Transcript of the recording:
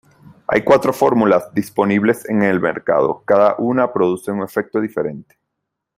Hay cuatro fórmulas disponibles en el mercado: cada una produce un efecto diferente.